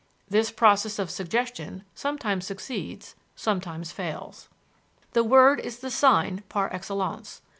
This process of "suggestion" sometimes succeeds, sometimes fails. The word is the sign par excellence.